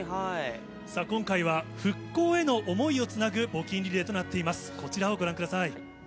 さあ、今回は復興への想いをつなぐ募金リレーとなっています。